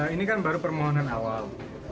ini kan baru permohonan awal